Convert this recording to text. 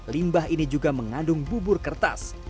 limbah ini juga mengandung bubur kertas